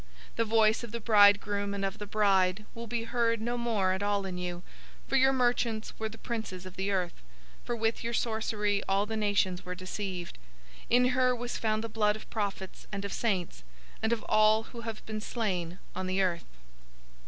The voice of the bridegroom and of the bride will be heard no more at all in you; for your merchants were the princes of the earth; for with your sorcery all the nations were deceived. 018:024 In her was found the blood of prophets and of saints, and of all who have been slain on the earth."